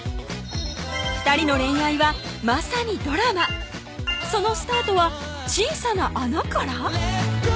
２人の恋愛はまさにドラマそのスタートは小さな穴から？